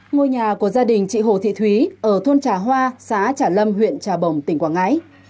ngôi nhà của gia đình chị hồ thị thúy ở thôn trà hoa xã trà lâm huyện trà bồng tỉnh quảng ngãi